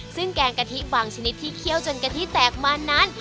ซึ่งแกงกะทิบางชนิดที่เคี่ยวจนกะทิแตกมานั้น